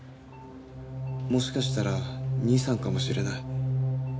もしかしたら兄さんかもしれない。